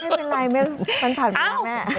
ไม่เป็นไรมันผ่านมาแม่